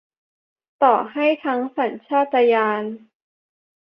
ต้องใช้ทั้งสัญชาตญาณ